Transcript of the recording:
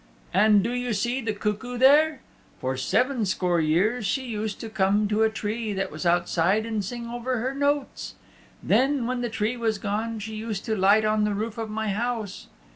And do you see the cuckoo there? For seven score years she used to come to a tree that was outside and sing over her notes. Then when the tree was gone, she used to light on the roof of my house.